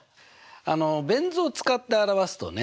あのベン図を使って表すとね